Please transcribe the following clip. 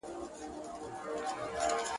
لوستونکی ژور فکر ته ځي تل،